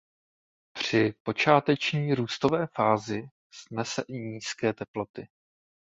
Při počáteční růstové fázi snese i nízké teploty.